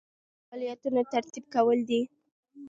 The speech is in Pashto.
دا د فعالیتونو ترتیب کول دي.